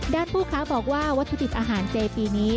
ด้านผู้ค้าบอกว่าวัตถุอาหารเจปีนี้